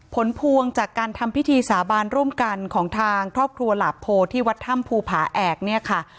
ผลพวงจากการทำพิธีสาบานร่วมกันของทางครอบครัวหลาโพที่วัดถ้ำภูผาแอกเนี่ยค่ะ